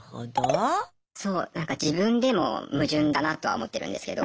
そうなんか自分でも矛盾だなとは思ってるんですけど。